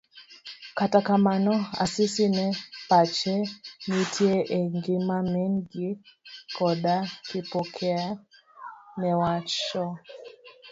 Kata kamano, Asisi ne pache nitie e gima min gi koda Kipokeo newacho.